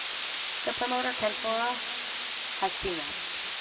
The promoter, Kentaro, has seen that.